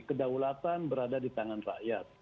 kedaulatan berada di tangan rakyat